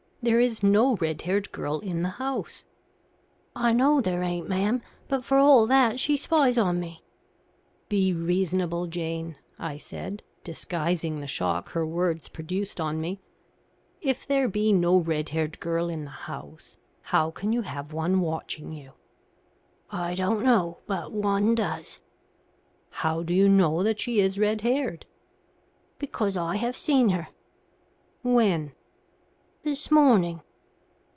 There is no red haired girl in the house." "I know there ain't, ma'am. But for all that, she spies on me." "Be reasonable, Jane," I said, disguising the shock her words produced on me. "If there be no red haired girl in the house, how can you have one watching you?" "I don't know; but one does." "How do you know that she is red haired?" "Because I have seen her." "When?" "This morning."